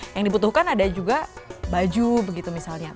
yang dibutuhkan ada juga baju begitu misalnya